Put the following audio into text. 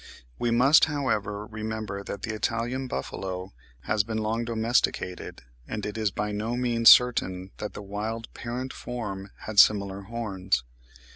We must, however, remember that the Italian buffalo has been long domesticated, and it is by no means certain that the wild parent form had similar horns.